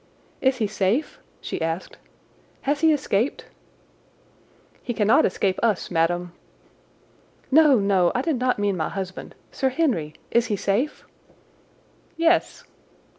"Is he safe?" she asked. "Has he escaped?" "He cannot escape us, madam." "No, no, I did not mean my husband. Sir Henry? Is he safe?" "Yes."